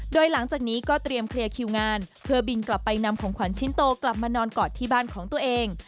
โดยหลังจากนี้ก็เตรียมเคลียร์คิวงานเพื่อบินกลับไปนำของขวัญชิ้นโตกลับมานอนกอดที่บ้านของตัวเอง